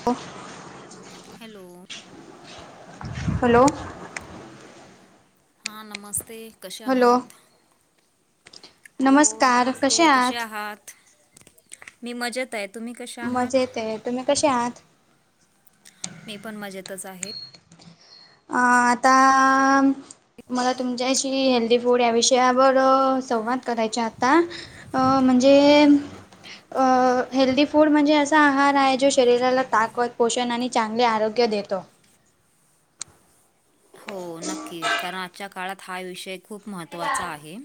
[unintelligible] Hello hello! हां नमस्ते कसे हॅलो आहात? हॅलो नमस्ते कसे आहात? मी मजेत आहे तुम्ही कश मजेत आहे, तुम्ही कश्या आहात? मी पण मजेतच आहे. अ आता मला तुमच्याशी हेल्दी फूड या विषयावर संवाद करायचे आता अ म्हणजे हेल्दी फूड म्हणजे असा आहार आहे जो शरीराला ताकद पोषण आणि चांगले आरोग्य देतो. हो नक्कीच कारण आजच्या काळात हा विषय खूप महत्त्वाचा आहे.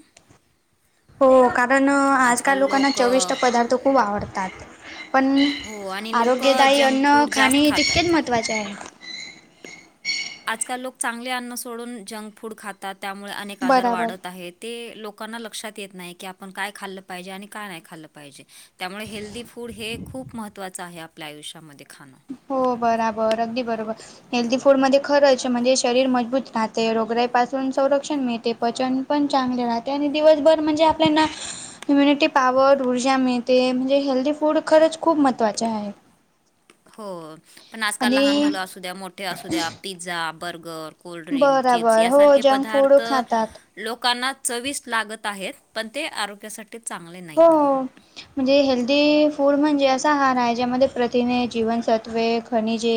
हो कारण आजकाल लोकांना चविष्ट पदार्थ खूप आवडतात. पण हो आणि लोक आरोग्यदायी जंक अन्न फूड जास्त खाणे तितकेच खातात महत्त्वाचे आहे. आजकाल लोक चांगले अन्न सोडून जंक फूड खातात त्यामुळे अनेक आजार बराबर वाढत आहेत. ते लोकांना लक्षात येत नाही की आपण काय खाल्लं पाहिजे आणि काय नाही खाल्लं पाहिजे. त्यामुळे हेल्दी फूड हे खूप महत्त्वाचं आहे आपल्या आयुष्यामध्ये खाणं! हो बराबर अगदी बरोबर. हेल्थी फूड मध्ये खरंच म्हणजे शरीर मजबूत राहते. रोगरायापासून संरक्षण मिळते पचन पण चांगले राहते आणि दिवसभर म्हणजे आपल्याना हम्युनिटी पावर ऊर्जा मिळते म्हणजे हेल्दीी फूड खरंच खूप महत्त्वाचें आहे. हो पण आजकाल लहान आणि मुलं असूद्या मोठ्या असू द्या पिझ्झा बर्गर कोल्ड्रिंक चिप्स बराबर हो यासारखे जंक फूड पदार्थ खातात. लोकांना चवीस लागत आहेत पण ते आरोग्यासाठी ते चांगले नाही. हो! म्हणजे हेल्दी फूड म्हणजे असा हार आहे ज्यामध्ये प्रथिने जीवनसत्वे खनिजे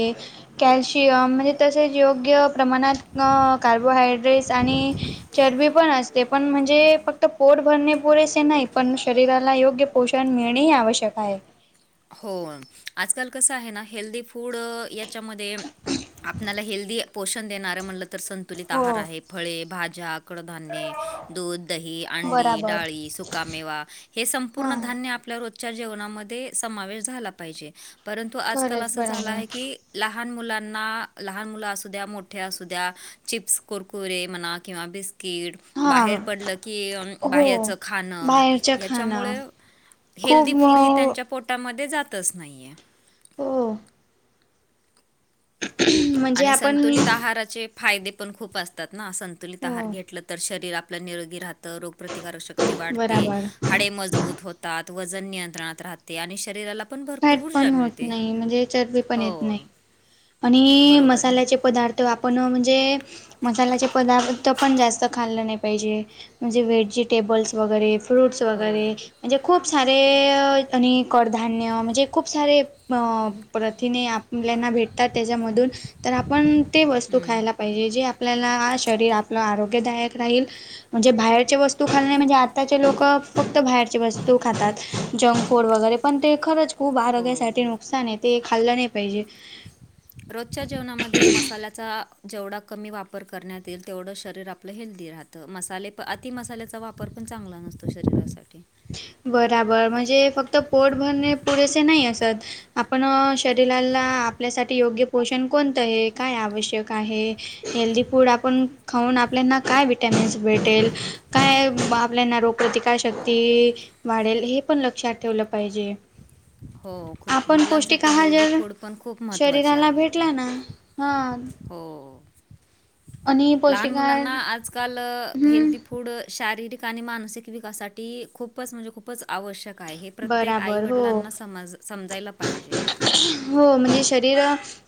कॅल्शियम म्हणजे तसेच योग्य प्रमाणात कार्बोहायड्रेट्स आणि चरबी पण असते. ते पण म्हणजे फक्त पोट भरणे पुरेसे नाहीत. पण शरीराला योग्य पोषण मिळणेही आवश्यक आहे. हो आजकाल कसं आहे ना हेल्दी फूड याच्यामध्ये आपल्याला हेल्दी पोषण देणारे म्हणलं तर संतुलित आहार हो आहे फळे, भाज्या, कडधान्य दूध, दही अंडी, बराबर डाळी, सुकामेवा हे संपूर्ण हां धान्य आपल्या रोजच्या जेवणामध्ये समावेश झाला पाहिजे परंतु आजकाल खरंच असं झालं बराबर आहे की लहान मुलांना लहान मुलं असुद्या मोठ्या असुद्या चिप्स कुरकुरे म्हणा किंवा बिस्कीट हां बाहेर पडलं की हो बाहेरच खाणं बाहेरचं खाणं याच्यामुळे खूप हेल्दी फूड हे त्यांच्या पोटामध्ये जातच नाहीये. हो! म्हणजे आणि आपण संतुलित आहाराचे फायदे पण खूप असतात ना संतुलित हो आहार घेतलं तर शरीर आप आपलं निरोगी राहतं रोगप्रतिकारक शक्ती वाढते. बराबर हाडे मजबूत होतात वजन नियंत्रणात राहते आणि शरीराला आपण भरपूर फॅट ऊर्जा पण होत मिळते. नाही म्हणजे चरबी पण हो! येत नाही. आणि बरोबर आहे मसाल्याचे पदार्थ आपण म्हणजे मसाल्याचे पदार्थ तर पण जास्त खाल्लं नाही पाहिजे. म्हणजे व्हेजिटेबल्स वगैरे फ्रूट्स हो वगैरे म्हणजे खूप सारे आणि कडधान्य म्हणजे खूप सारे प्रथिने आपल्याना भेटतात त्याच्यामधून तर आपण ते वस्तू हम्म, खायला पाहिजे जे आपल्याला शरीर आपलं आरोग्यदायक राहील. म्हणजे बाहेरचे वस्तू खाल्ली नाही म्हणजे आताचे लोक फक्त बाहेरचे वस्तू खातात जंक फूड वगैरे पण ते खरंच खूप हो आरोग्यासाठी नुकसान आहे ते खाल्लं नाही पाहिजे. रोजच्या जेवणामध्ये मसाला. जेवढा कमी वापर करण्यात येईल तेवढं शरीर आपलं हेल्थी राहतं मसाले. अति मसाल्याचा वापर पण चांगला नसतो शरीरासाठी. बराबर म्हणजे फक्त पोट भरणे पुरेसे नाही असत. आपण शरीराला आपल्यासाठी योग्य पोषण कोणतं आहे काय आवश्यक आहे. हेल्दी फूड आपण. खाऊन आपल्याना काय व्हिटॅमिन्स भेटेल काय आपल्याना रोगप्रतिकार शक्ती. वाढेल हे पण लक्षात ठेवलं पाहिजे. हो खूप आपण पौष्टिक मुलांसाठी आहार हेल्दी जर फूड पण खूप महत्त्वाचे शरीराला आहेत भेटला ना हा. हो. आणि लहान पौष्टिक आहार मुलांना आजकाल हम्म हेल्दी फु पुढं शारीरिक आणि मानसिक विकासासाठी खूपच म्हणजे खूपच आवश्यक. काय हे प्रत्येक आई बराबर हो वडलांना स समजाला पाहिजे. हो म्हणजे शरीर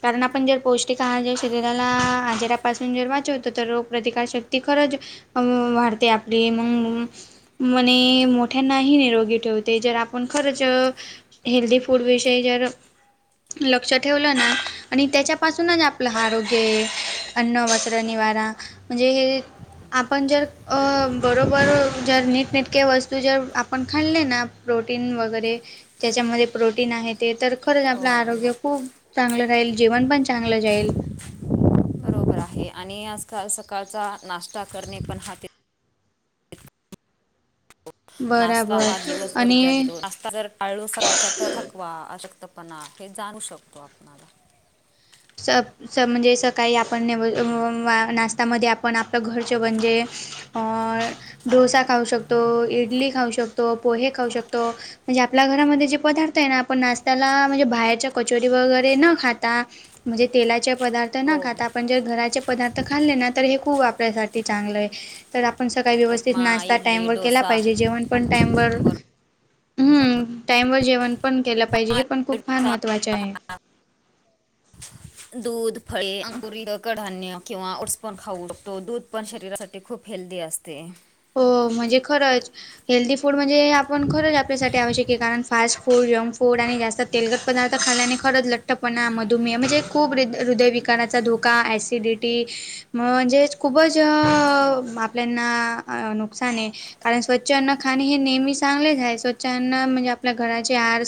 कारण आपण जर पौष्टिक आहार शरीराला आजारापासन्. [unintelligible] तर रोग प्रतिकारशक्ती खरंच वाढते आपली मग. म्हणे मोठ्यांनाही निरोगी ठेवते जर आपण खरंच. हेल्दी फुड विषयी जर. लक्ष ठेवलं ना आणि त्याच्यापासूनच आपलं आरोग्य आहे अन्न वस्त्र निवारा. म्हणजे हे आपण जर बरोबर जर नीटनेटक्या वस्तू जर आप पण खाल्ले ना प्रोटीन वगैरे ज्याच्यामध्ये प्रोटीन आहे ते तर. खरंच हो आपलं आरोग्य खूप चांगलं राहील जेवण पण चांगलं जाईल. [unintelligible] बरोबर आहे आणि आजकाल सकाळचा नाश्ता करणे पण हाती. नाश्ता बरोबर हा दिवसभर ऊर्जा आणि दिेतो. ता जर काळू सकाळचा तर थकवा अशक्तपणा हे जाणू शकतो आपणाला. [unintelligible] स म्हणजे सकाळी आपण नेव वा नाश्तामध्ये आपण आपलं घरच म्हणजे. अ डोसा खाऊ शकतो, इडली खाऊ शकतो, पोहे खाऊ शकतो. म्हणजे आपल्या घरामध्ये जे पदार्थ आहे ना आपण नाश्त्याला म्हणजे बाहेरच्या कचोरी वगैरे न खाता. म्हणजे तेलाचे पदार्थ न हो खात आपण जर घराचे. पदार्थ खाल्ले ना तर हे खूप आपल्यासाठी चांगलं आहे. तर आपण सकाळी व्यवस्थित उपमा नाश्ता इडली टाइम वर केला डोसा पाहिजे जेवण. पण टाइम वर बरोबर ह् टाइम वर जेवण पण केलं पाहिजे हे. पण खूप फार महत्त्वाचे [unintelligible] [inaudible] दूध फळे अंंगुरी कडधान्य किंवा ओट्स पण खाऊ शकतो दूध पण शरीरा. ते खूप हेल्दी असते. हो म्हणजे खरंच. हेल्दी फूड म्हणजे आपण खरंच आपल्यासाठी आवश्यक आहे कारण फास्ट फूड, जंक फूड आणि जास्त तेलगट पदार्थ खाल्याने खरंच लठ्ठपणा मधुमेह म्हणजे खूप हृदयविकारचा धूका. का ॲसिडिटी म्ह म्हणजेच खूपच हो आपल्याना. नुकसान आहे. कारण स्वच्छांना खाणे हे नेहमी चांगलेच आहे स्वच्छांना म्हणजे आपल्या घराचे आर.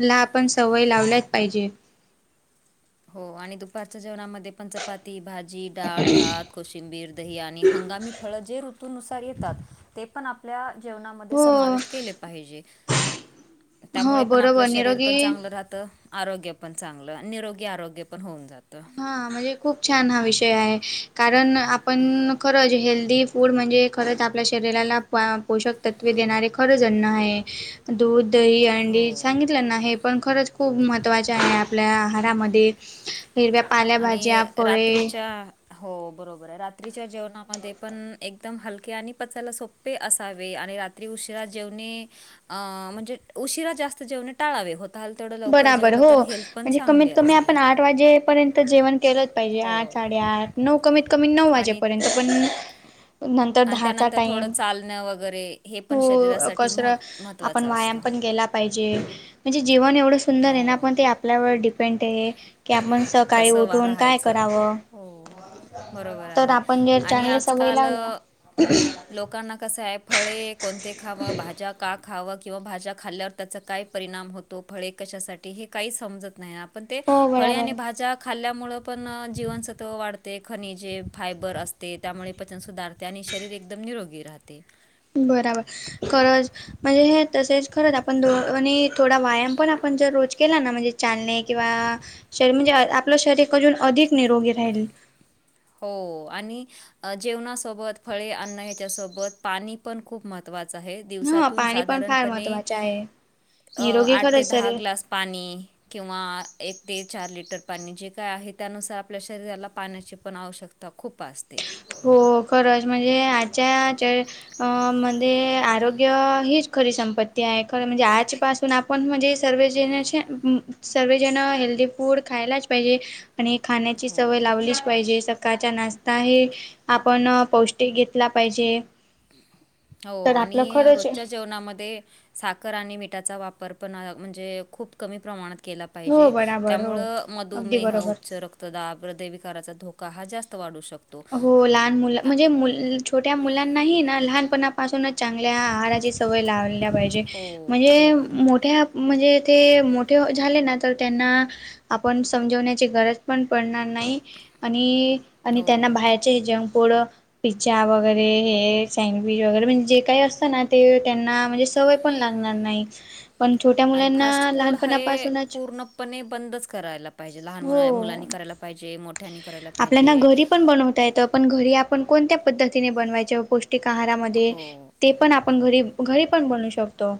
ला आपण सवय लावल्याच पाहिजे. हो आणि दुपारच्या जेवणामध्ये पण चपाती, भाजी, डाळ, भात. कोशिंबीर, दही आणि हंगामी फळं जे ऋतूनुसार येतात ते पण आप आप जेवमध्ये हो समावे के पाहिजे. हो त्यामुळे पण आपलं बरोबर शरीर पण निरोगी चांगलं राहतं आरोग्य पण चांगलं निरोग. आरोग्य पण होऊन जातं. हां म्हणजे खूप छान हा विषय आहे कारण आपण खरंच हेल्दी. फूड म्हणजे खरंच आपल्या शरीराला पोषक तत्वे देणारे खरंच अन्न आहे. दूध दही अंडी हो सांगितलं ना आहे. पण खरंच खूप महत्त्वाच आहे आपल्या आहारामध्ये. फिरव्या पाल्या भाजीया आणि फळे. रात्रीच्या हो बरोबर आहे रात्रीच्या जेवणामध्ये पण एकदम हलके आणि पचाला सोप. े असावे आणि रात्री उशिरा जेवणे. अ म्हणजे उशिरा जास्त जेवणे टाळावे होते. झाल तेथवढं लवकर बराबर जेवलं हो. तर हेल्थ पण म्हणजे कमीत चांगली कमी असते. आपण आठ वाजेपर्यंत जेवण केलं. पाजे हो आठ साडे आठ नऊ कमीत कमी नऊ आणि वाजेपर्यंत पण. नंतर आणि दहाचा त्यानंतर थोडं टाईम चालणं वगैरे हे हो पण शरीरासाठी कसर महत् आपण महत्त्वाचं व्यायाम असतं पण गेला. े म्हणजे जीवन एवढं सुंदर आहे ना हो पण ते आपल्यावर. ं की आपण सकाळी कसं वा उठून काय राहायचं करावं. हो बरोबर तर आहे आपण जर आणि चांगल्या स वय आजकाल लावल्या. लोकांना कसं आहे फळे कोणते खावं भाज्या काक. खावं किंवा भाज्या खाल्ल्यावर त्याचा काय परिणाम होतो फळे कशासाठी हे काही समजत नाही आप पण ते हो फळे बराबर आणि भाज्या खाल्ल्यामुळेळ पण जीवनसत्व वाढते खनिजे फायबर असते त्यामुळे पचन सुधारते. त्याने शरीर एकदम निरोगी राहते. बराबर खरच म्हणजे हे तसेच खरंच आपण दो आणि. थोडा व्याया पण आपण रोज केला ना म्हणजे चालणे किंवा शरीर म्हणजे आपलं शरीर अजून अधिक निरोगी राहील. हो आणि जेवणासोबत फळे अन्ण ह्याच्यासोबत पाणी. पण खूप महत्त्वाचा आहे ह दिवसातून पाणी पण फार साधारणपणे. महत्त्वाचे आहे अ निरोगी आठ ते खरंच दहा शरीर ग्लास. पाणी किंवा एक ते चार लिटर पाणी जे काय आहे त्यानुसार आपल्या शरीराला पाण्याचे. पण आवश्यकता खूप असते. हो खरंच म्हणजे आजच्या च मध्ये आरोग. यग हीच खरी संपत्ती आहे खर म्हणजे आज पासून आपण म्हणजे सर्व ज सर्ळेजण हेल्दीी फूड खायलाच पाहिजे. आणि खाण्याची हो सवय लावलीच पाहिजे सकाळचा नाश्ता हे.. आपण पौष्टिक घेतला पाहिजे. हो तर आपलं आणि खरंच रोजच्या जेवणामध्ये. साखर आणि मिठाचा वापर पण म्हणजे खूप कमी प्रमाणात. केला हो पाहिजे बराबर हो त्यामुळे अगदी मदमेह बरोबर उच्चारक्त तदा हृदयविकाराचा धोका हा जास्त वाढू शकतो. हो लहान मुलं आ म्हणजे मु छोट्या मुलांनाही ना लहानपणापासूनच. चांगल्या आहाराची सवय लावल्या पाहिजे हो म्हणजे खूप मोठ्या. म्हणजे ते मोठे झाले ना तर त्यांना.. आपण समजवण्याची गरज पण पडणार नाही आणि आणि त्यांना हो बाहेर.. हे जंक फूड पिझ्जा वगैरे हे सँडविच वगैरे म्हणजे जे काही असतं ना. ते त्यांना म्हणजे सवय पण लागणार नाही. पण छोट्या आणि मुलांना फास्ट फूड हे लहानपणापासूनच पूर्णपणे बंदच करायला पाहिजे लहान मुला हो मुलांनी करायला पाहिजे मोठ ठ्यानी करायला पाहिजे. यण घरी आपण कोण्या पद्ती ब पष्ट हो आहाराण आपण घरी घरी पण बनू शकतो.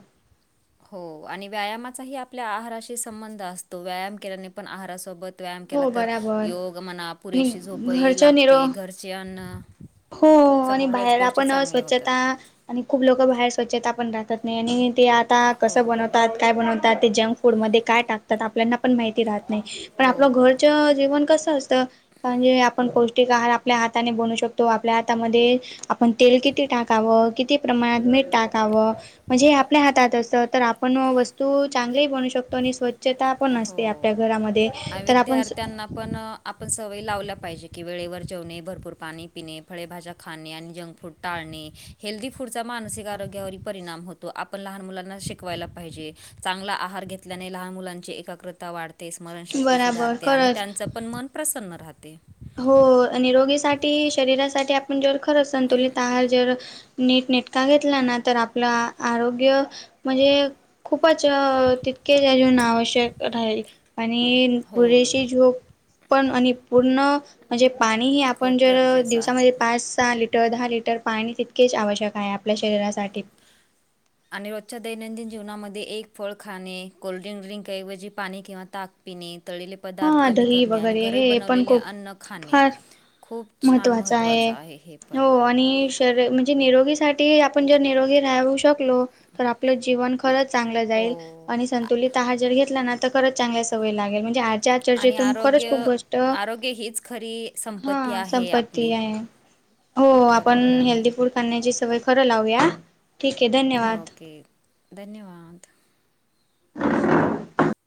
हो आणि व्यायामाचाही आपल्या आहाराशी संबंध असतो व्यायाम केल्याने पण आहारासोबत. व्यायाम केला हो तर बराबर योग म्हणा आणि पुरेशी झोपही घरच्या निरो लागते घरचे अन्न. हो आणि सगळ्याच बाहेर गोष्टी आपण चांगल्या होतात स्वच्छता आणि खूप लोक बाहेर स्वच्छता पण राहतात. नाही आणि ते आता हो कसं बनवतात काय बनवतात ते जंक फूडमध्ये काय टाकतात आपल्याना पण माहिती राहत नाही. पण आपलं हो घरच जेवण कसं असतं? कारण, जे आपण पौष्टिक आहार आपल्या हाताने बनू शकतो आपल्या हातामध्ये आपण तेल किती टाकावं किती प्रमाणात मीठ टाकावं म्हणजे आपल्या हातात असं तर आप पण वस्तू चांगलीही बनू शकतो, आणि स्वच्छता पण असते आपल्या घरामध्ये तर आपण स आपण आपण सवयी लावल्या पाहिजे, की वेळेवर जेवणे भरपूर पाणी पिणे फळेभाज्या खाणे आणि जंक फूड टाळणे हेल्दी फूड चा मानसिक आरोग्यावर परिणाम होतो, आपण लहान मुलांना शिकवायला पाहिजे. चांगला आहार घेतल्याने लहान मुलांची एकग्रता वाढते, स्मरणशक्ती बराबर सुधारते आणि खरंच त्यांच पण मन प्रसन्न राहते. हो, आणि रोगीसाठी शरीरासाठी आपण जर खरंच संतुलित आहार जर नीट नेटका घेतला ना, तर आपला आरोग्य म्हणजे खूपच तितकेच अजून आवश्यक राहील. आणि हो, पुरेशी झोप पण आणि पूर्ण म्हणजे पाणी हे आपण खूप जर गरजेचं आहे. दिवसामध्ये पाच सहा लिट द दहा लिटर पाणी तितकेच आवश्यक आहे, आपल्या शरीरासाठी. आणि रोजच्या दैनंदिन जीवना मध्ये एक फळ खाणे कोल्ड्रिंक ड्रिक ऐवजी पाणी किंवा ताक पिणे तळलेले पदार्थ हा कमी दही करणे, आणि वगैरे घरी हे पण बनवलेले खूप अन्न खाणे फार खूप छान महत्त्वाचा महत्त्वाचं आहे, हे पण. जर म्हणजे निरोगीसाठी आपण जर निरोगी राहू शकलो, तर आपलं जीवन खरंच चांगलं जाईल, हो आणि संतुलित आहार जर घेतला ना, तर खरच चांगल्या सवयी लागेल म्हणजे आजच्या आणि चर्चेतून खरंच खूप आरोग्य गोष्ट आरोग्य हीच खरी संपत्ती हा आहे संपत्ती आपली आहे. हो, आपण बरोबर आहे हेल्दी फूड खाण्याची सवय खरं लावूया. ठीक आहे, धन्यवाद! ओके, धन्यवाद! [unintelligible]